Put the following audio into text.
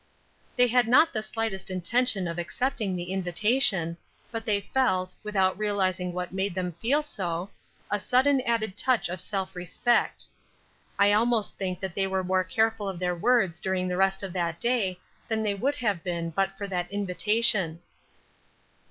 They had not the slightest intention of accepting the invitation, but they felt, without realizing what made them feel so, a sudden added touch of self respect. I almost think they were more careful of their words during the rest of that day than they would have been but for that invitation.